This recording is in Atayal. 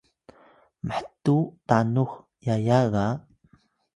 mhtuw tanux yaya ga